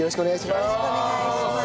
よろしくお願いします。